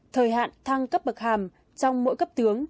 thời hạn thăng cấp bậc hàm trong mỗi cấp tướng